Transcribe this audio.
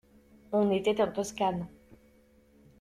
On était en Toscane.